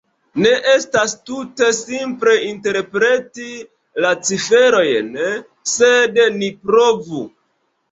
Ne estas tute simple interpreti la ciferojn, sed ni provu.